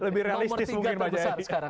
lebih realistis mungkin pak jayadi